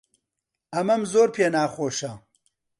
ئەمەم زۆر پێ ناخۆشە.